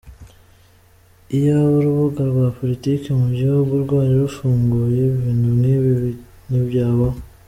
Iyaba urubuga rwa politiki mu gihugu rwari rufunguye, ibintu nk’ibi ntibyabaho.